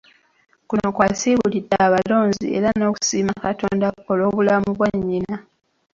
Kuno kw'asiibulidde abalonzi era n'okusiima Katonda olw'obulamu bwa Nnyina